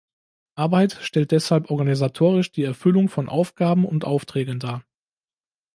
Arbeit stellt deshalb organisatorisch die Erfüllung von Aufgaben und Aufträgen dar.